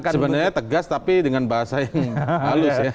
sebenarnya tegas tapi dengan bahasa yang halus ya